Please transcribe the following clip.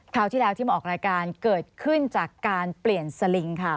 ที่แล้วที่มาออกรายการเกิดขึ้นจากการเปลี่ยนสลิงค่ะ